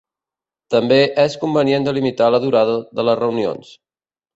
També és convenient de limitar la durada de les reunions.